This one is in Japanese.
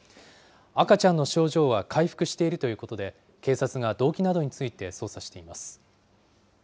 赤ちゃんの症状は回復しているということで、警察が動機などについて捜査しています。